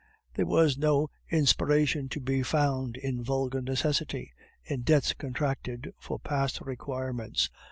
There was no inspiration to be found in vulgar necessity, in debts contracted for past requirements.